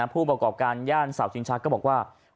ผู้ประกอบการย่านสาวชิงชักก็บอกว่า